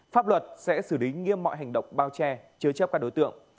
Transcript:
pháp luật sẽ xử lý nghiêm mọi hành động bao che chứa chấp các đối tượng